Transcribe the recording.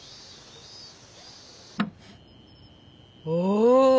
お！